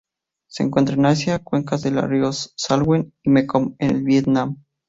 Se encuentran en Asia: cuencas de los ríos Salween y Mekong en el Vietnam.